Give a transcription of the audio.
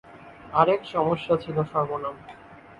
আরেক সমস্যা ছিল সর্বনাম।